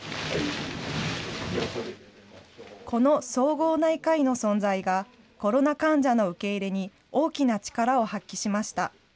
この総合内科医の存在が、コロナ患者の受け入れに大きな力を発揮しました。